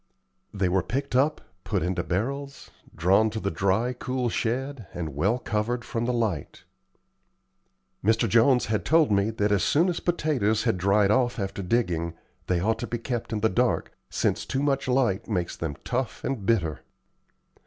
They were picked up, put into barrels, drawn to the dry, cool shed, and well covered from the light. Mr. Jones had told me that as soon as potatoes had dried off after digging, they ought to be kept in the dark, since too much light makes them tough and bitter.